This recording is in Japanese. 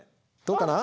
どうかな？